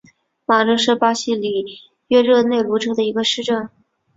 马热是巴西里约热内卢州的一个市镇。